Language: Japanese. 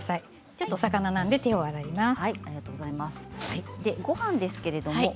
ちょっとお魚なので手を洗います。